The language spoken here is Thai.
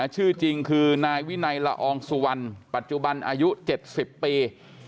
ชื่อจริงคือนายวินัยละอองสุวรรณปัจจุบันอายุ๗๐ปี